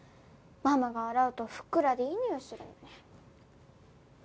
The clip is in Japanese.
ママが洗うとふっくらでいいにおいするのに。